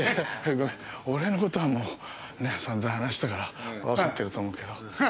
俺の事はもう散々話したからわかってると思うけど。